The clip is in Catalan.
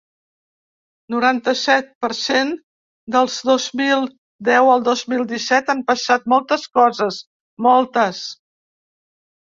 Noranta-set per cent Del dos mil deu al dos mil disset han passat moltes coses, moltes.